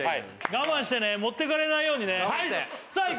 我慢してね持ってかれないようにねはい！